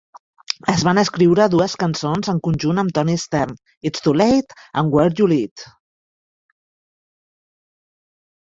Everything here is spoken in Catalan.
Es van escriure dues cançons en conjunt amb Toni Stern: "It's Too Late" i "Where You Lead".